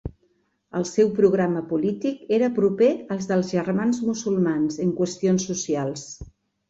El seu programa polític era proper al dels Germans Musulmans en qüestions socials.